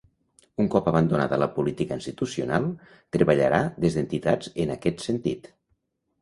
Un cop abandonada la política institucional, treballarà des d’entitats en aquest sentit.